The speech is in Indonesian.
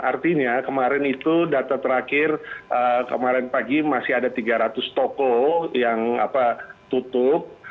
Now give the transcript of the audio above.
artinya kemarin itu data terakhir kemarin pagi masih ada tiga ratus toko yang tutup